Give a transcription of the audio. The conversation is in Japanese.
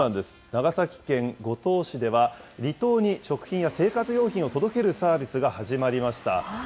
長崎県五島市では、離島に食品や生活用品を届けるサービスが始まりました。